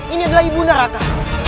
ini adalah ibu naraka